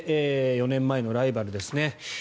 ４年前のライバルですね